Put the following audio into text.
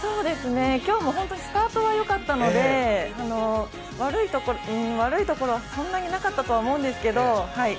今日もスタートはよかったので悪いところはそんなになかったとは思うんですけど。